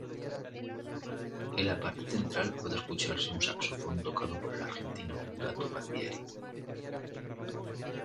En la parte central puede escucharse un saxofón tocado por el argentino Gato Barbieri.